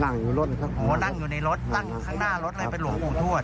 นั่งอยู่รถนะครับนั่งอยู่ในรถตั้งข้างหน้ารถเลยเป็นหลวงปู่ทวด